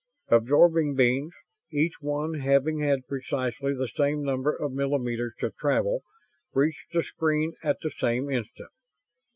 Absorbing beams, each one having had precisely the same number of millimeters to travel, reached the screen at the same instant.